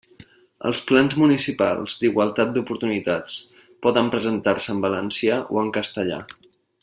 Els plans municipals d'igualtat d'oportunitats poden presentar-se en valencià o en castellà.